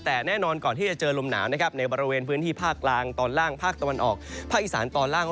แต่แน่นอนก่อนที่จะเจอลมหนาวนะครับในบริเวณพื้นที่ภาคกลางตอนล่างภาคตะวันออกภาคอีสานตอนล่าง